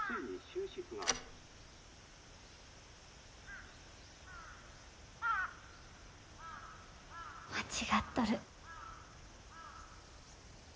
間違っとる。